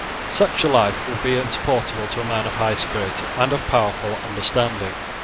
Such a life would be insupportable to a man of high spirit and of powerful understanding.